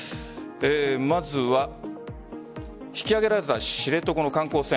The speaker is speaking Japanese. まずは、引き揚げられた知床の観光船。